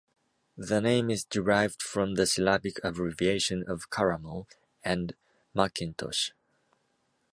The name is derived from the syllabic abbreviation of "Caramel" and "Mackintosh".